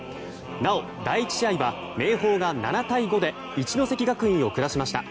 なお、第１試合は明豊が７対５で一関学院を下しました。